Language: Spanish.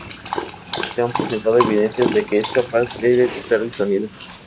Se han presentado evidencias de que es capaz de detectar el sonido.